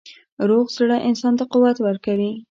روغ زړه انسان ته قوت ورکوي.